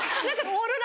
オーロラ？